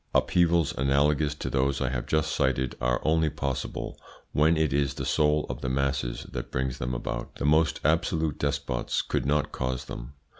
Upheavals analogous to those I have just cited are only possible when it is the soul of the masses that brings them about. The most absolute despots could not cause them.